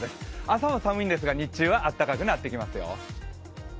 朝は寒いんですが日中はあたかくなってきますよ。